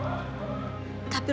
lo udah berdua